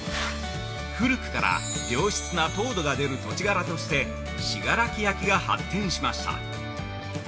古くから良質な陶土が出る土地柄として信楽焼が発展しました。